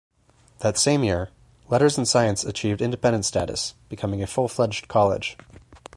That same year, Letters and Science achieved independent status, becoming a full-fledged college.